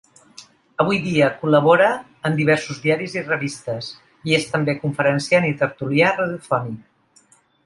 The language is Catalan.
Avui dia col·labora en diversos diaris i revistes, i és també conferenciant i tertulià radiofònic.